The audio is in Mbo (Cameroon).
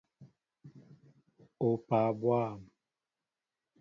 Opaa bwȃm!